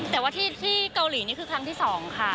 แต่ว่าที่เกาหลีนี่คือครั้งที่๒ค่ะ